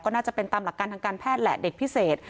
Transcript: น่าจะเป็นตามหลักการทางการแพทย์แหละเด็กพิเศษ